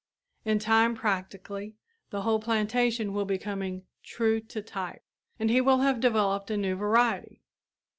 In time practically the whole plantation will be coming "true to type," and he will have developed a new variety.